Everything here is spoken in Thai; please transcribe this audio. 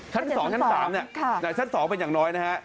ชั้น๒ชั้น๓เนี่ยชั้น๒เป็นอย่างน้อยนะฮะ